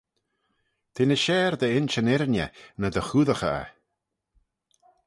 Te ny share dy insh yn irriney ny dy choodaghey eh.